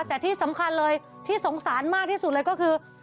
แต่ที่สำคัญเลยที่สงสารมากที่สุดเลยก็คือ